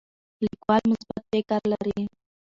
لیکوال مثبت فکر لري.